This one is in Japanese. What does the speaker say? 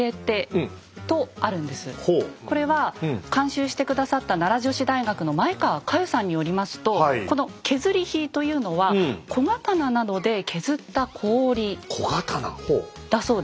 これは監修して下さった奈良女子大学の前川佳代さんによりますとこの「削り氷」というのは小刀などで削った氷だそうです。